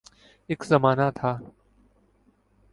ایک زمانہ تھا۔